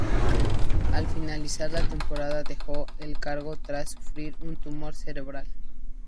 Al finalizar la temporada dejó el cargo tras sufrir un tumor cerebral.